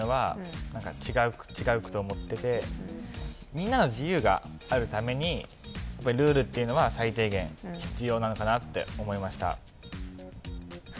みんなの自由があるためにやっぱりルールっていうのは最低限必要なのかなって思いました。